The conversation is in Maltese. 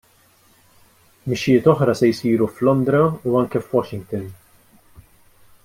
Mixjiet oħra se jsiru f'Londra u anke f'Washington.